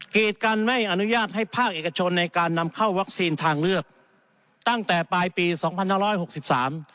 กิจการไม่อนุญาตให้ภาคเอกชนในการนำเข้าวัคซีนทางเลือกตั้งแต่ปลายปีสองพันห้าร้อยหกสิบสาม